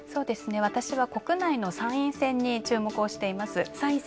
私は国内の参院選に注目をしています。